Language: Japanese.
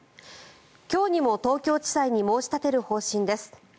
今日にも東京地裁に申し立てる方針です。